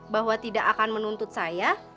bahwa tidak akan menuntut saya